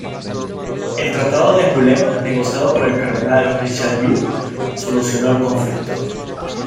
El tratado de Angulema, negociado por el Cardenal Richelieu, solucionó el conflicto.